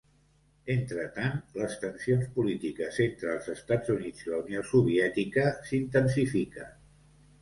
Entretant, les tensions polítiques entre els Estats Units i la Unió Soviètica s'intensifiquen.